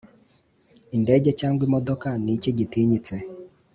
indege cyangwa imodoka ni iki gitinyitse